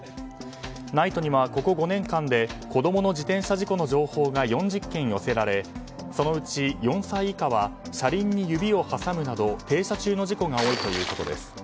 ＮＩＴＥにはここ５年間で子供の自転車事故の情報が４０件寄せられそのうち４歳以下は車輪に指を挟むなど停車中の事故が多いということです。